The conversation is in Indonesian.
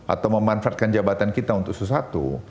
atau memanfaatkan jabatan kita untuk sesuatu